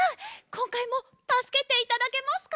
こんかいもたすけていただけますか？